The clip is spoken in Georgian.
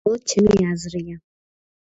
მხოლოდ ჩემი აზრია.